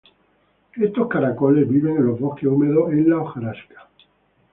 Estos caracoles viven en los bosques húmedos en la hojarasca.